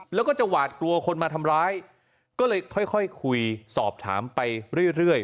แล้วก็จะหวาดกลัวคนมาทำร้ายก็เลยค่อยคุยสอบถามไปเรื่อย